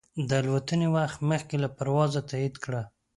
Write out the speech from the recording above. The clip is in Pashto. د الوتنې وخت مخکې له پروازه تایید کړه.